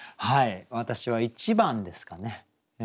私は１番ですかね。